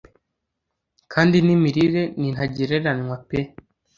kandi n’imirire ni ntagereranywa pe!